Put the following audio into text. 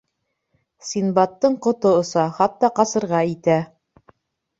Синдбадтың ҡото оса, хатта ҡасырға итә.